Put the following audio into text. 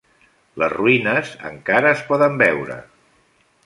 Les ruïnes encara es poden veure.